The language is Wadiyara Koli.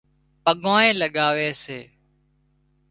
پڳانئي لڳاوي سي